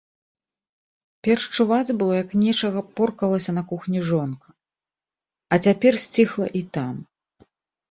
Перш чуваць было, як нечага поркалася на кухні жонка, а цяпер сціхла і там.